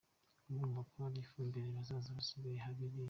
Murumva ko ari ifumbire bazaba basigaye birira.